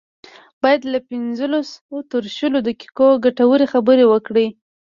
بايد له پنځلسو تر شلو دقيقو ګټورې خبرې وکړي.